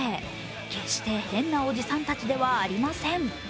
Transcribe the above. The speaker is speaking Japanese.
決して変なおじさんたちではありません。